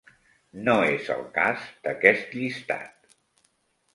No és el cas d'aquest llistat.